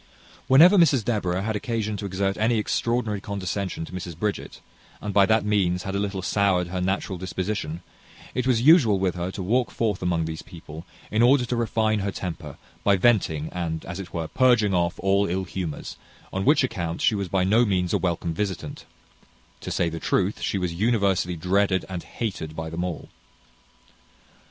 Whenever Mrs Deborah had occasion to exert any extraordinary condescension to Mrs Bridget, and by that means had a little soured her natural disposition, it was usual with her to walk forth among these people, in order to refine her temper, by venting, and, as it were, purging off all ill humours; on which account she was by no means a welcome visitant: to say the truth, she was universally dreaded and hated by them all.